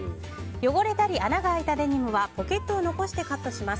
汚れたり穴が開いたデニムはポケットを残してカットします。